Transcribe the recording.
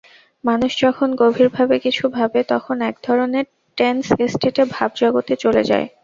মানুষ যখন গভীরভাবে কিছু ভাবে তখন একধরনের টেন্স ষ্টেটে ভাবজগতে চলে যায়।